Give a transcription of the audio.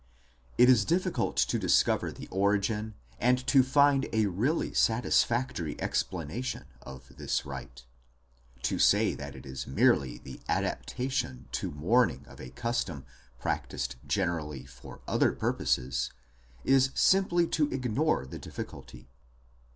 8 It is difficult to discover the origin and to find a really satisfactory explanation of this rite. To say that it is merely the adaptation to mourning of a custom practised generally for other purposes 4 is simply to ignore the diffi culty.